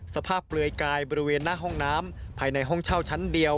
เปลือยกายบริเวณหน้าห้องน้ำภายในห้องเช่าชั้นเดียว